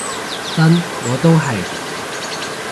真，我都係